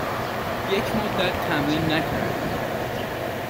یک مدت تمرین نکردم.